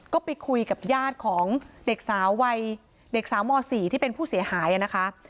ก็ไปคุยกับญาติของเด็กสาวม๔ที่เป็นผู้เสียหายนะคะ